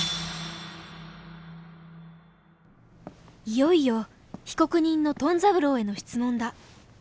いよいよ被告人のトン三郎への質問だ。